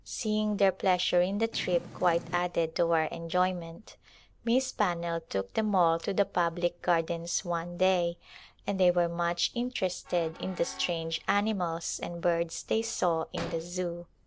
Seeing their pleasure in the trip quite added to our enjoyment. Miss Pannell took them all to the public gardens one day and they were much in terested in the strange animals and birds they saw in the Zoo.